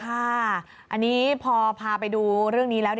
อันนี้พอพาไปดูเรื่องนี้แล้ว